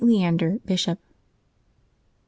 LEANDER, Bishop. ;r.